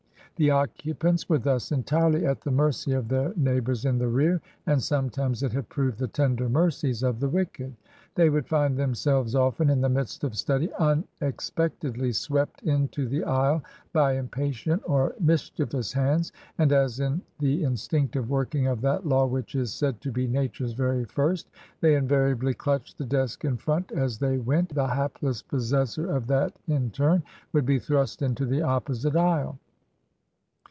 The occupants were thus entirely at the mercy of their neighbors in the rear, and sometimes it had proved the tender mercies of the wicked. They would find themselves often, in the midst of study, unex pectedly swept into the aisle by impatient or mischievous hands, and, as in the instinctive working of that law which is. said to be nature's very first they invariably clutched the desk in front as they went, the hapless pos sessor of that in turn would be thrust into the opposite aisle.